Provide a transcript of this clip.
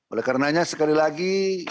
oleh karenanya sekali lagi